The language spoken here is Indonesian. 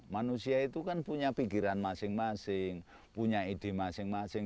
manusia itu kan punya pikiran masing masing punya ide masing masing